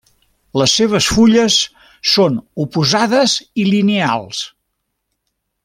Les seves fulles són oposades i lineals.